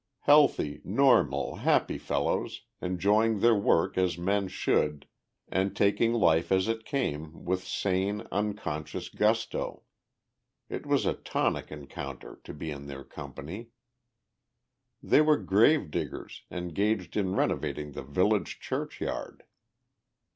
Healthy, normal, happy fellows, enjoying their work as men should, and taking life as it came with sane, unconscious gusto; it was a tonic encounter to be in their company. They were grave diggers, engaged in renovating the village churchyard!